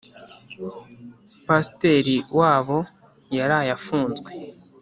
Pasiteri wabo yaraye afunzwe